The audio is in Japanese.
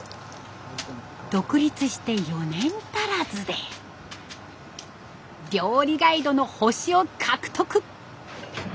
独立して４年足らずで料理ガイドの星を獲得！